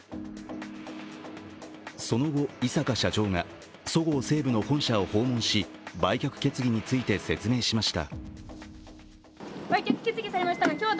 その後、井阪社長がそごう・西武の本社を訪問し売却決議について説明しました。